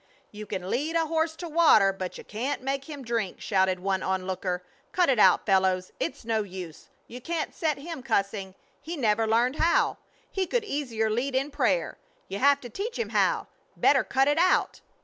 "You can lead a horse to water, but you can't make him drink," shouted one onlooker. "Cut it out, fellows! It's no use! You can't set him cussing. He never learned how. He could easier lead in prayer. You have to teach him how. Better cut it out!"